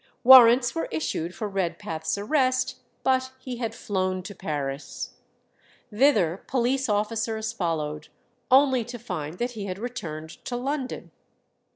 Warrants were issued for Redpath's arrest, but he had flown to Paris. Thither police officers followed, only to find that he had returned to London.